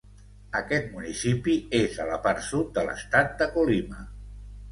Aquest municipi és a la part sud de l'estat de Colima.